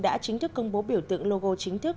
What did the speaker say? đã chính thức công bố biểu tượng logo chính thức